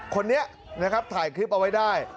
คนนี้นะครับถ่ายคลิปเอาไว้ได้